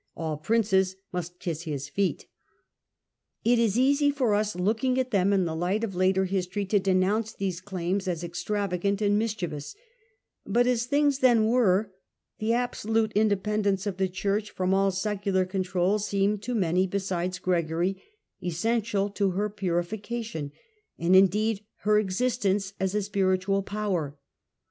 All princes should kiss his feet. It is easy for us, looking at them in the light of later history, to denounce these claims as extravagant and mischievous ; but as things then were the absolute independence of the Church from all secular control seemed to many besides Gregory essential to her purifi cation, and, indeed, her existence as a spiritual power.